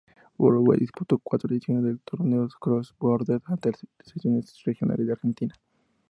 Uruguay disputó cuatro ediciones de los Torneos Cross Borders ante selecciones regionales de Argentina.